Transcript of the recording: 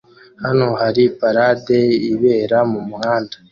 Hano hari parade ibera mumuhanda